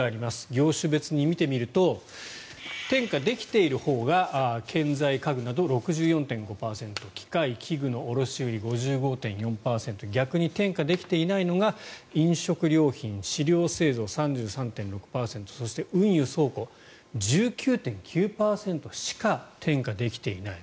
業種別に見てみると転嫁できているほうが建材・家具など６４．５％機械・器具の卸売り、５５．４％逆に転嫁できていないのが飲食料品・飼料製造が３３．６％そして、運輸・倉庫は１９．９％しか転嫁できていない。